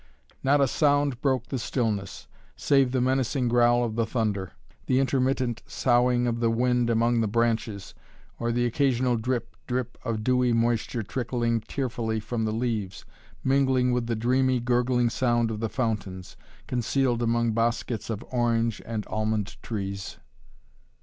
Not a sound broke the stillness, save the menacing growl of the thunder, the intermittent soughing of the wind among the branches, or the occasional drip drip of dewy moisture trickling tearfully from the leaves, mingling with the dreamy, gurgling sound of the fountains, concealed among bosquets of orange and almond trees.